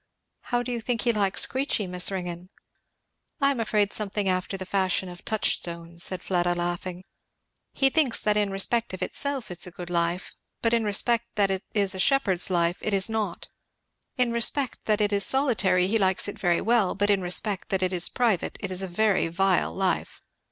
"How do you think he likes Queechy, Miss Ringgan?" "I am afraid something after the fashion of Touchstone," said Fleda laughing; "he thinks that 'in respect of itself it is a good life; but in respect that it is a shepherd's life it is naught. In respect that it is solitary, he likes it very well; but in respect that it is private, it is a very vile life.